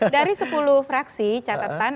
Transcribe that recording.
dari sepuluh fraksi catetan